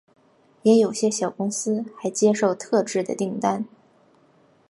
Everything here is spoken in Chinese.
也有些小公司还接受特制的订单。